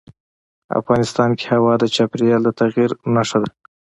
افغانستان کې هوا د چاپېریال د تغیر نښه ده.